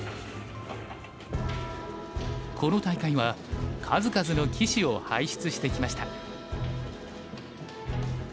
この大会は数々の棋士を輩出してきました。